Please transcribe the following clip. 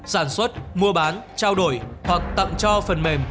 sản xuất mua bán trao đổi hoặc tặng cho phần mềm